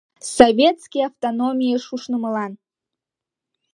СОВЕТСКИЙ АВТОНОМИЙЫШ УШНЫМЫЛАН